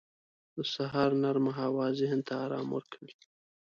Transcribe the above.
• د سهار نرمه هوا ذهن ته آرام ورکوي.